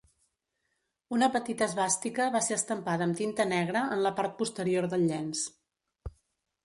Una petita esvàstica va ser estampada amb tinta negra en la part posterior del llenç.